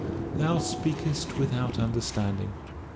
"Thou speakest without understanding.